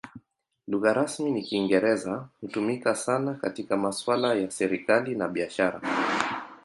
Lugha rasmi ni Kiingereza; hutumika sana katika masuala ya serikali na biashara.